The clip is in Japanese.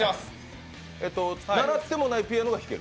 習ってもないピアノが弾ける？